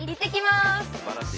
すばらしい。